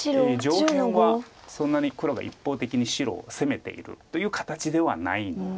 上辺はそんなに黒が一方的に白を攻めているという形ではないので。